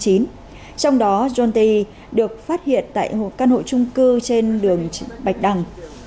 trong đó jong tae li được phát hiện tại căn hộ trung cư trên đường bạch đằng